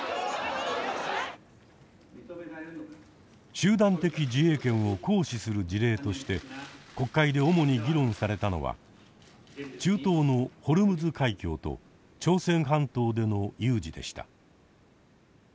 集団的自衛権を行使する事例として国会で主に議論されたのは中東のホルムズ海峡と朝鮮半島での有事でした。